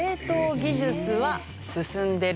給食は進んでる？